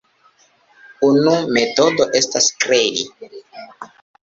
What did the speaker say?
Unu metodo estas kredi.